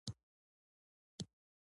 د امنیت لپاره څوک اړین دی؟